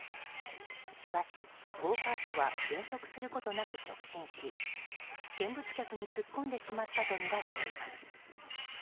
しかし、ゴーカートは減速することなく直進し見物客に突っ込んでしまったとみられています。